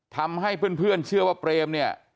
ทำให้เพื่อนเชื่อว่าเปรมเนี่ย